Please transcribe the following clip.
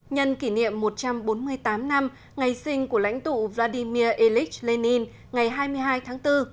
nhân kỷ niệm một trăm bốn mươi tám năm ngày sinh của lãnh tụ vladimir ilyich lenin ngày hai mươi hai tháng bốn